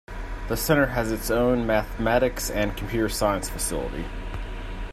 The Center has its own mathematics and computer science faculty.